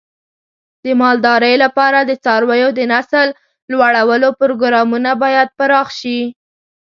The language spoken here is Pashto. د مالدارۍ لپاره د څارویو د نسل لوړولو پروګرامونه باید پراخ شي.